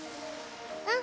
うん。